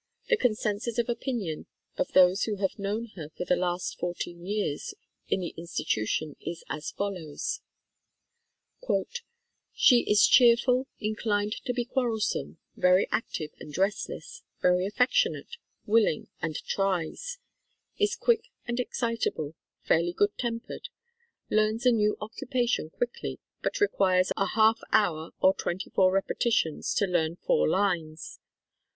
The consensus of opinion of those who have known her for the last fourteen years in the In stitution is as follows r "She is cheerful, inclined to be quarrelsome, very active and restless, very affectionate, willing, and tries ; is quick and excitable, fairly good tempered. Learns a new occupation quickly, but requires a half hour or twenty four repetitions to learn four lines.